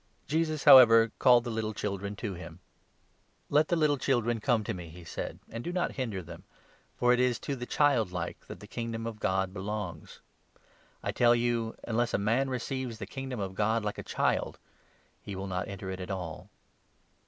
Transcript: Jesus, however, called the little 7.6 children to him. 37 Isa. 34. 15. 7 Enoch 47. i, z. *3 Enoch 13. 5. 146 LUKE, 18. " Let the little children come to me," he said, " and do not hinder them ; for it is to the childlike that the Kingdom of God belongs. I tell you, unless a man receives the Kingdom 17 of God like a child, he will not enter it at all."